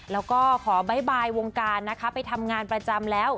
แล้วก็ขอบ๊ายบายวงการนะคะไปทำงานประจำแล้ว